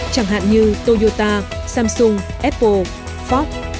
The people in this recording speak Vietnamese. chẳng hạn như toyota samsung apple ford